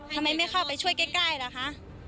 ทำไมไม่เข้าไปช่วยใกล้ล่ะคะ